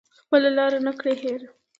خپله لاره نه کړي هیره